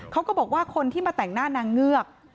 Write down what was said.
เขาก็บอกว่าคนที่มาแต่งหน้านางเงือก